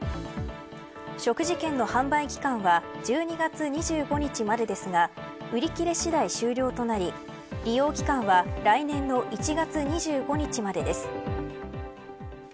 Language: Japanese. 食事券の販売期間は１２月２５日までですが売り切れ次第終了となり利用期間は来年の１月２５日までです。